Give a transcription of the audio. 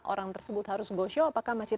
orang tersebut harus go show apakah masjid